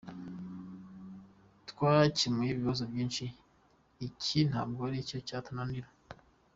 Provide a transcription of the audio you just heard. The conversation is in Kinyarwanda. Twakemuye ibibazo byinshi iki ntabwo ari cyo cyatunanira.